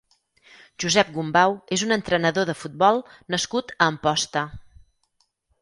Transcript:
Josep Gombau és un entrenador de futbol nascut a Amposta.